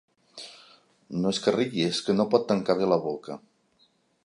No és que rigui, és que no pot tancar bé la boca.